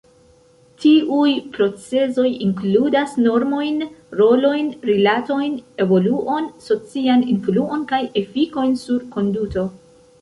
Tiuj procezoj inkludas normojn, rolojn, rilatojn, evoluon, socian influon kaj efikojn sur konduto.